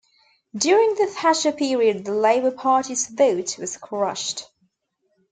During the Thatcher period the Labour Party's vote was crushed.